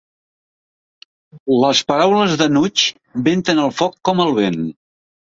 Les paraules d'enuig venten el foc com el vent.